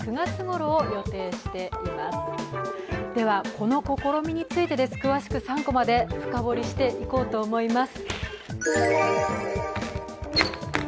この試みについて詳しく３コマで深掘りしていこうと思います。